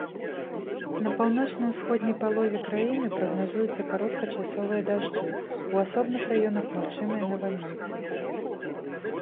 На паўночна-ўсходняй палове краіны прагназуюцца кароткачасовыя дажджы, у асобных раёнах магчымыя навальніцы.